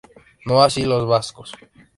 No así los vascos.